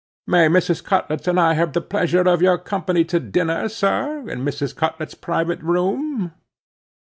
May Mrs. Cutlets and I have the pleasure of your company to dinner, sir, in Mrs. Cutlets' private room?"